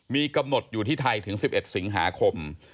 มีกำหนดอยู่ที่ไทยถึง๑๑สิงหาคม